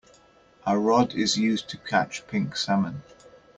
A rod is used to catch pink salmon.